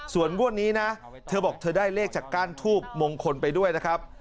ส่วนงวดนี้นะเธอบอกเธอได้เลขจากก้านทูบมงคลไปด้วยนะครับ